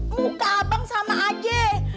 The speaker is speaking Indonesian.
muka abang sama aja